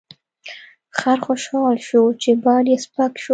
خر خوشحاله شو چې بار یې سپک شو.